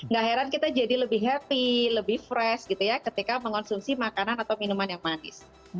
gak heran kita jadi lebih happy lebih fresh gitu ya ketika mengonsumsi makanan atau minuman yang manis